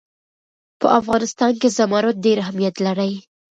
په افغانستان کې زمرد ډېر اهمیت لري.